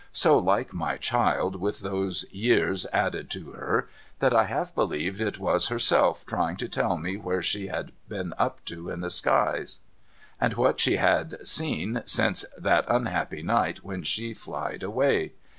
so like my child with those years added to her, that I half believed it was herself, trying to tell me where she had been to up in the skies, and what she had seen since that unhappy night when she flied away.